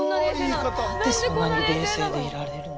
何でそんなに冷静でいられるの？